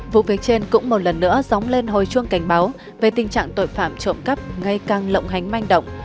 vụ việc trên cũng một lần nữa dóng lên hồi chuông cảnh báo về tình trạng tội phạm trộm cắp ngay càng lộng hành manh động